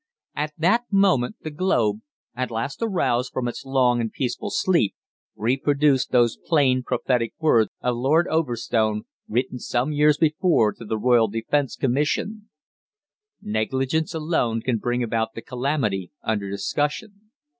At that moment the "Globe," at last aroused from its long and peaceful sleep, reproduced those plain, prophetic words of Lord Overstone, written some years before to the Royal Defence Commission: "Negligence alone can bring about the calamity under discussion.